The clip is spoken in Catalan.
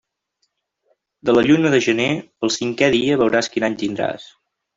De la lluna de gener, el cinqué dia veuràs quin any tindràs.